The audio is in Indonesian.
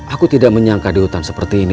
aku tidak menyangka di hutan seperti ini